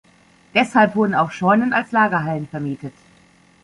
Deshalb wurden auch Scheunen als Lagerhallen vermietet.